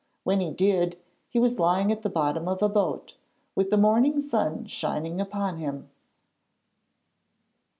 When he did, he was lying at the bottom of a boat, with the morning sun shining upon him.